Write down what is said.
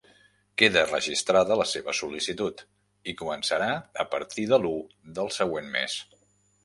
Queda registrada la seva sol·licitud i començarà a partir de l'u del següent mes.